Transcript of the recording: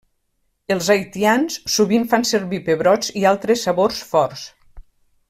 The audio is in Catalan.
Els haitians sovint fan servir pebrots i altres sabors forts.